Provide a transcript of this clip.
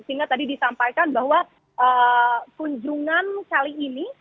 sehingga tadi disampaikan bahwa kunjungan kali ini